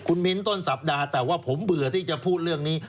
คุณมิ้นต้นสัปดาห์แต่ว่าผมเบื่อที่จะพูดเรื่องนี้